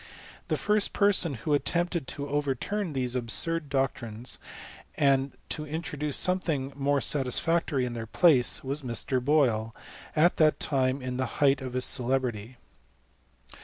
The first person who attempted to overturn these absurd doctrines, and to introduce something more satisfactory in their idaee, was Mr. Boyle, at that time in the height of nil celebrity.